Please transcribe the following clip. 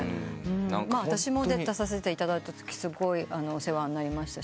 私も出させていただいたときすごいお世話になりましたし。